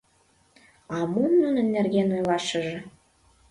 А мом нунын нерген ойлашыже.